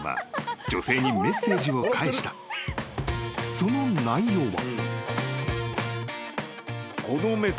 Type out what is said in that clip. ［その内容は］